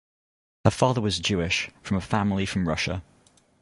Her father was Jewish, from a family from Russia.